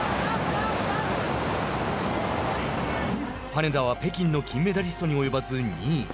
羽根田は北京の金メダリストに及ばず２位。